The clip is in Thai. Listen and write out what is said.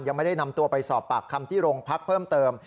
ยังไม่ได้นำตัวไปสอบปากคำที่โรงพักเพิ่มเติม